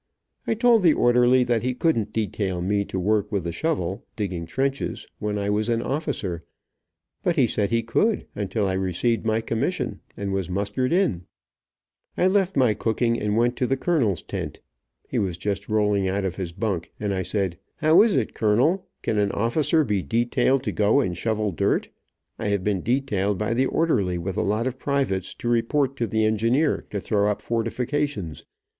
I told the orderly that he couldn't detail me to work with a shovel, digging trenches, when I was an officer, but he said he could, until I received my commission and was mustered in. I left my cooking and went to the colonel's tent. He was just rolling out of his bunk, and I said: "How is it, Colonel? Can an officer be detailed to go and shovel dirt? I have been detailed by the orderly, with a lot of privates, to report to the engineer, to throw up fortifications.